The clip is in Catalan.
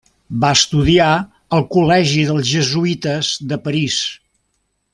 Va estudiar al col·legi dels jesuïtes de París.